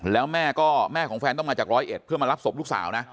แล้วแม่ก็แม่ของแฟนต้องมาจากร้อยเอ็ดเพื่อมารับศพลูกสาวนะ